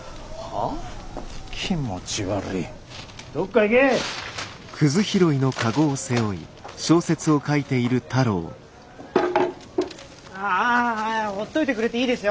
あほっといてくれていいですよ。